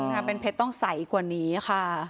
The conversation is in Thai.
ค่ะเป็นเพชรต้องใสกว่านี้ค่ะ